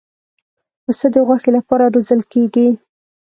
پسه د غوښې لپاره روزل کېږي.